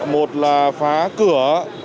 một là phá cửa